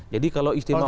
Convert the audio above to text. jadi kalau istimewa ulama